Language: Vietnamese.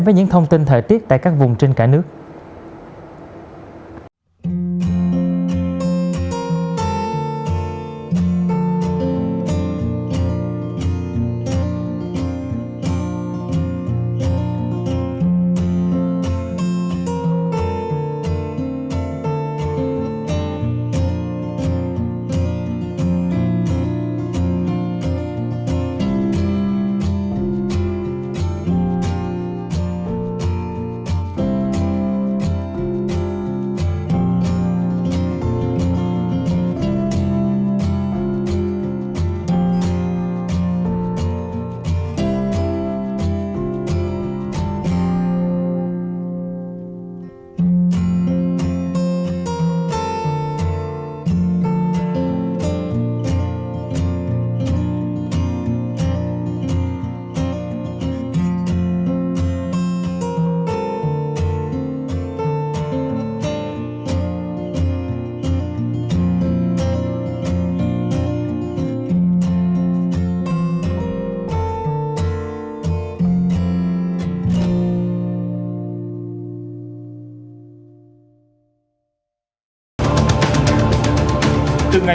với những thông tin thời tiết tại các vùng trên cả nước